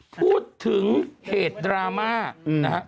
พูดถึงเหตุดรามา